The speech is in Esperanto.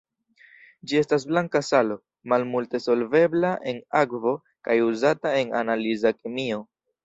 Ĝi estas blanka salo, malmulte solvebla en akvo kaj uzata en analiza kemio.